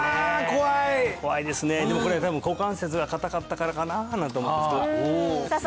怖いですねでもこれは多分股関節が硬かったからかななんて思ってるんですけどさあ